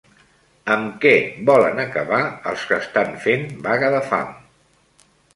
Amb què volen acabar els que estan fent vaga de fam?